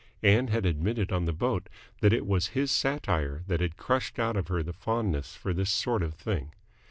Ann had admitted on the boat that it was his satire that had crushed out of her the fondness for this sort of thing.